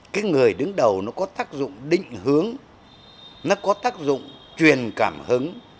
cái người đứng đầu nó có tác dụng định hướng nó có tác dụng truyền cảm hứng